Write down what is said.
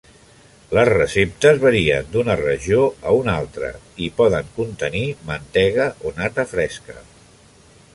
Les receptes varien d'una regió a una altra i poden contenir mantega o nata fresca.